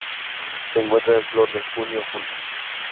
Se encuentra en flor de junio a julio.